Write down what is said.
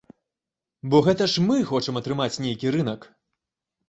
Бо гэта ж мы хочам атрымаць нейкі рынак.